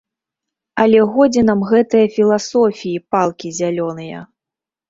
Але годзе нам гэтае філасофіі, палкі зялёныя!